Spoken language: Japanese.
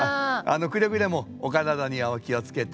くれぐれもお体にはお気をつけて。